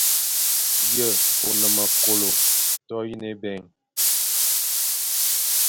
Ye one me kôlo toyine ébèign.